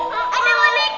kan disini ada komik